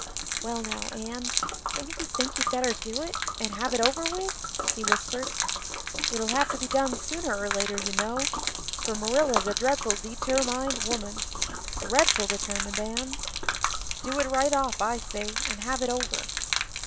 "Well now, Anne, don't you think you'd better do it and have it over with?" he whispered. "It'll have to be done sooner or later, you know, for Marilla's a dreadful deter mined woman dreadful determined, Anne. Do it right off, I say, and have it over."